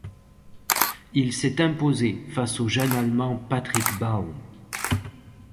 Il s'est imposé face au jeune allemand Patrick Baum.